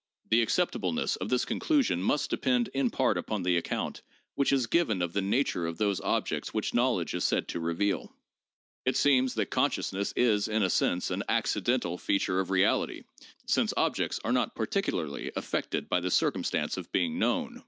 The ac ceptableness of this conclusion must depend in part upon the account which is given of the nature of those objects which knowledge is said to reveal. It seems that consciousness is, in a sense, an accidental feature of reality, since objects are not particularly affected by the circumstance of being known.